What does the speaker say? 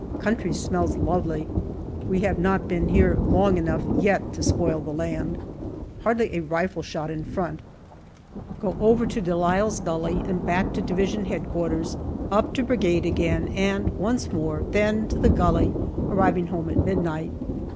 Country smells lovely. We have not been here long enough yet to spoil the land. Hardly a rifle shot in front. Go over to De Lisle's Gully and back to D.H.Q., up to Brigade again, and once more ; then to the gully, arriving home at midnight.